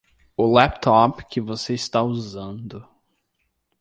O laptop que você está usando